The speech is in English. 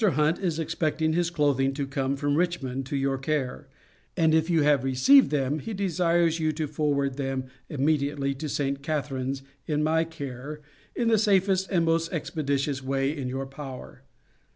Hunt is expecting his clothing to come from Richmond to your care, and if you have received them, he desires you to forward them immediately to St. Catharines, in my care, in the safest and most expeditious way in your power.